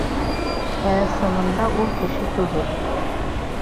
Ә ысынында ул кеше түгел.